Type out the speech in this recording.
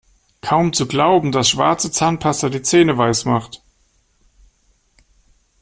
Kaum zu glauben, dass schwarze Zahnpasta die Zähne weiß macht!